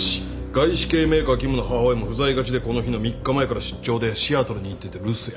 外資系メーカー勤務の母親も不在がちでこの日の３日前から出張でシアトルに行ってて留守や。